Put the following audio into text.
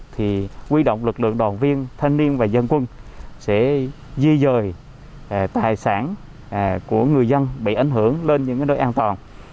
thì quy động lực lượng đoàn viên thanh niên và dân quân sẽ di dời tài sản của người dân bị ảnh hưởng lên những nơi an toàn